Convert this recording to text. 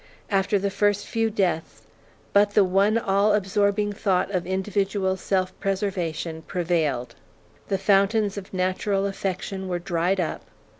After the first few deaths, but the one all absorbing thought of individual self preservation prevailed. The fountains of natural affection were dried up.